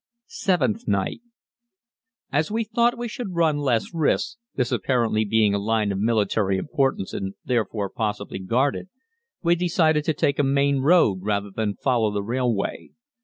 Seventh Night. As we thought we should run less risks, this apparently being a line of military importance and therefore possibly guarded, we decided to take a main road rather than follow the railway.